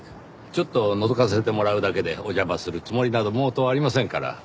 ちょっとのぞかせてもらうだけでお邪魔するつもりなど毛頭ありませんから。